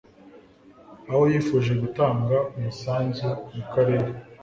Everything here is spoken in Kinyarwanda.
aho yifuje gutanga umusanzu mu Karere